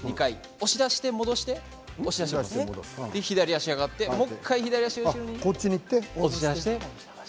押し出して戻して左足が上がってもう１回左足を後ろに押し出して。